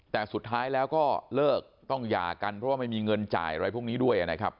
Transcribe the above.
แต่สุดท้ายแล้วก็เลิกต้องหย่ากันเพราะว่าไม่มีเงินจ่ายอะไรพวกนี้ด้วยนะครับ